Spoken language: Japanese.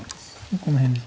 この辺ですか？